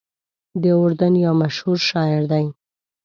د اردن یو مشهور شاعر دی.